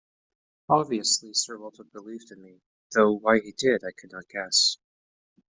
Obviously Sir Walter believed in me, though why he did I could not guess.